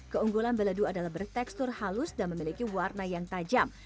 keunggulan beledu adalah bertekstur halus dan memiliki warna yang tajam